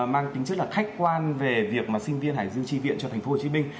mang tính chất là khách quan về việc mà sinh viên hải dư tri viện cho thành phố hồ chí minh